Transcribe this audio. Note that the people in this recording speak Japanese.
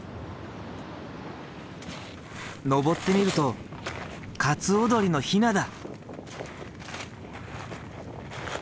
上ってみるとカツオドリのヒナだ。